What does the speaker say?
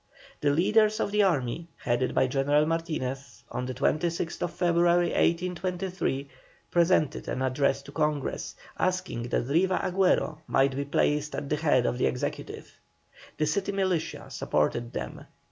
The leaders of the army headed by General Martinez, on the 26th February, 1823, presented an address to Congress, asking that Riva Agüero might be placed at the head of the Executive. The city militia supported them.